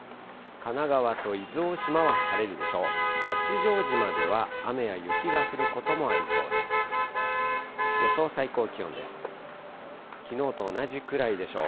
神奈川と伊豆大島は晴れるでしょう。